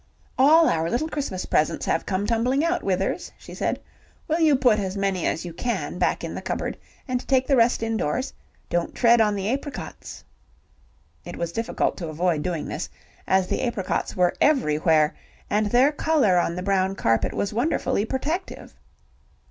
"All our little Christmas presents have come tumbling out, Withers," she said. "Will you put as many as you can back in the cupboard and take the rest indoors? Don't tread on the apricots." It was difficult to avoid doing this, as the apricots were everywhere, and their colour on the brown carpet was wonderfully protective.